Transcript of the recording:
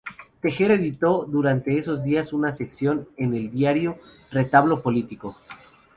Tejera editó durante esos días una sección en el diario "Retablo político".